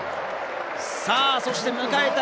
さあ、そして迎えた